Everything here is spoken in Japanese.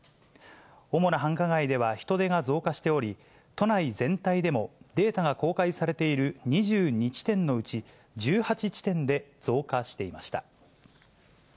主な繁華街では人出が増加しており、都内全体でも、データが公開されている２２地点のうち、１８地点で増加していました。